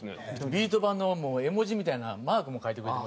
ビート板のもう絵文字みたいなマークも描いてくれてますよ。